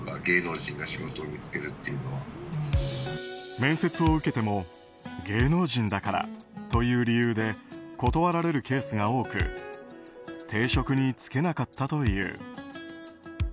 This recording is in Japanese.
面接を受けても芸能人だからという理由で断られるケースが多く定職に就けなかったという。